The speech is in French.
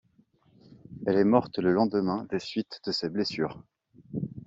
Elle est morte le lendemain des suites de ses blessures.